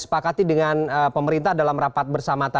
tuhan karena youtunes tidak muncul pada rumah